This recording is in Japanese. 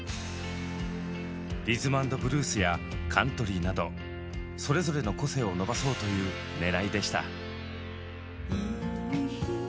リズム＆ブルースやカントリーなどそれぞれの個性を伸ばそうというねらいでした。